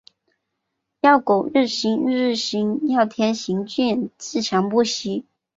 要苟日新，日日新。要天行健，自强不息。